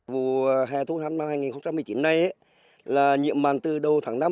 vụ hè thu hai nghìn một mươi chín này là nhiễm mặn từ đầu tháng năm